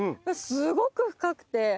すごく深くて。